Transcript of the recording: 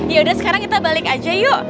yaudah sekarang kita balik aja yuk